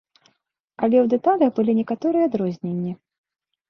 Але ў дэталях былі некаторыя адрозненні.